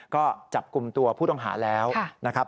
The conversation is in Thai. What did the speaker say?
ก็จับกลุ่มตัวผู้ต้องหาแล้วนะครับ